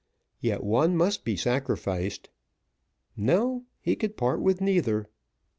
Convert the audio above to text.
Yet one must be sacrificed. No, he could part with neither.